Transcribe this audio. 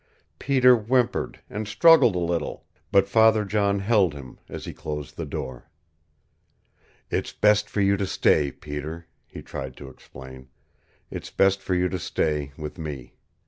Peter whimpered, and struggled a little, but Father John held him as he closed the door. "It's best for you to stay, Peter," he tried to explain. "It's best for you to stay with me.